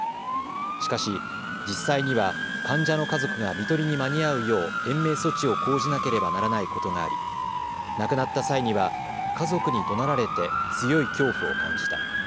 しかし実際には患者の家族がみとりに間に合うよう延命措置を講じなければならないことがあり亡くなった際には家族にどなられて強い恐怖を感じた。